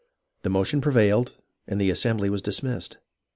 The motion prevailed, and the assembly was dismissed.